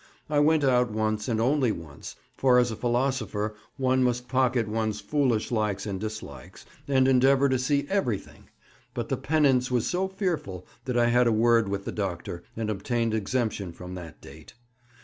I went out once and only once, for as a philosopher one must pocket one's foolish likes and dislikes, and endeavour to see everything; but the penance was so fearful that I had a word with the doctor, and obtained exemption from that date.